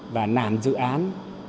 và làm dự án